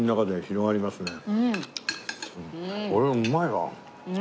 これうまいわ！